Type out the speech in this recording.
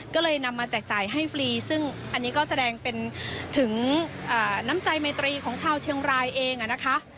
ก็เลยนำมาแจกจ่ายให้ฟรีซึ่งอันนี้ก็แสดงเป็นถึงน้ำใจไมตรีของชาวเชียงรายเองนะคะ